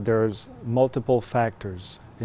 gây ảnh hưởng đến fdi